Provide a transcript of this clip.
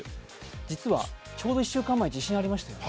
実はちょうど１週間前、地震がありましたよね。